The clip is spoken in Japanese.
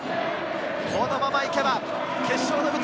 このまま行けば決勝の舞台。